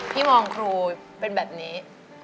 พี่มองครูเป็นแบบนี้